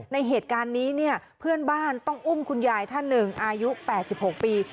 ในเหตุการณ์นี้เนี่ยเพื่อนบ้านต้องอุ้มคุณยายท่านหนึ่งอายุ๘๖ปี